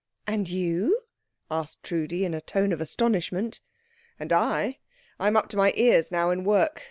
"And you?" asked Trudi, in a tone of astonishment. "And I? I am up to my ears now in work.